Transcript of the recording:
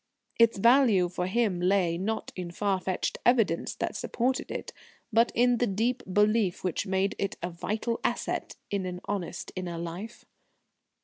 Its value for him lay, not in far fetched evidence that supported it, but in the deep belief which made it a vital asset in an honest inner life.